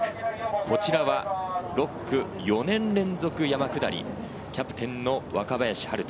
こちらは６区、４年連続山下り、キャプテンの若林陽大。